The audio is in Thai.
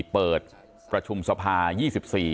เพื่อยุดยั้งการสืบทอดอำนาจของขอสอชอต่อและยังพร้อมจะเป็นนายกรัฐมนตรี